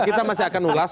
kita masih akan ulas